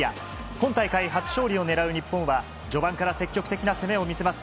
今大会初勝利を狙う日本は、序盤から積極的な攻めを見せます。